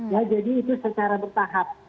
ya jadi itu secara bertahap